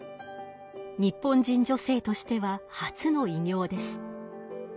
日本人女性としては初の偉業です。